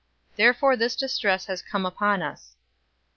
Therefore this distress has come upon us."